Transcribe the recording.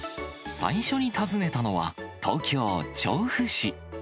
最初に訪ねたのは東京・調布市。